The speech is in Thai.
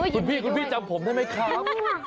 คุณพี่คุณพี่จำผมได้ไหมครับ